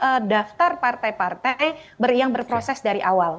itu disebutkan daftar partai partai yang berproses dari awal